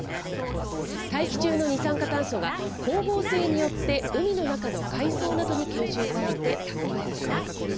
大気中の二酸化炭素が光合成によって、海の中の海藻などに吸収されて蓄えられます。